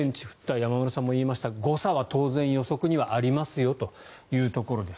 山村さんも言いましたが誤差は当然、予測にはありますよというところです。